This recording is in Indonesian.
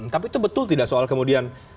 tapi itu betul tidak soal kemudian